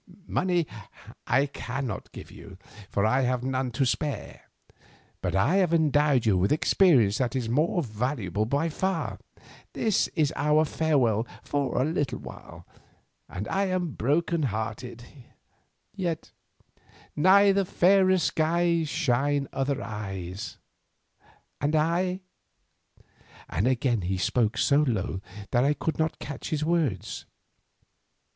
Money I cannot give you, for I have none to spare, but I have endowed you with experience that is more valuable by far. This is our farewell for awhile and I am brokenhearted. Yet ''Neath fairer skies Shine other eyes,' and I—" and again he spoke so low that I could not catch his words.